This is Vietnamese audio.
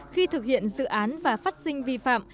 khi thực hiện dự án và phát sinh vi phạm